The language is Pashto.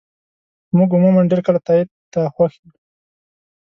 موږ عموماً ډېر کله تایید ته خوښ یو.